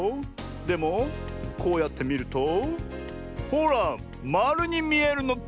でもこうやってみるとほらまるにみえるのです！